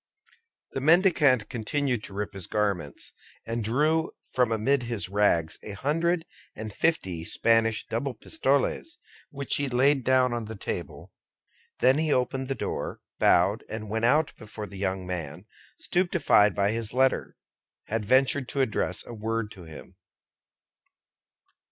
The mendicant continued to rip his garments; and drew from amid his rags a hundred and fifty Spanish double pistoles, which he laid down on the table; then he opened the door, bowed, and went out before the young man, stupefied by his letter, had ventured to address a word to him.